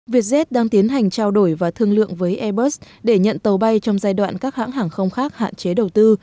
vietjet đang tiến hành trao đổi và thương lượng với airbus để nhận tàu bay trong giai đoạn các hãng hàng không khác hạn chế đầu tư